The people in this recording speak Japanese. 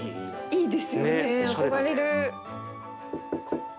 いいですよね憧れる。